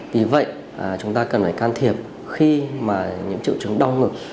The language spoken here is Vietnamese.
vì vậy chúng ta cần phải can thiệp khi mà những triệu chứng đau ngực